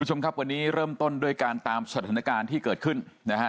คุณผู้ชมครับวันนี้เริ่มต้นด้วยการตามสถานการณ์ที่เกิดขึ้นนะฮะ